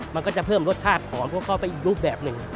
มันก็จะเพิ่มรสชาติหอมเข้าไปอีกรูปแบบนึง